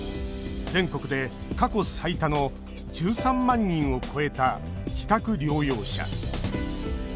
全国で過去最多の１３万人を超えた自宅療養者。